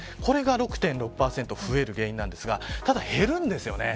これが６．６％増える原因なんですが、ただ減るんですよね。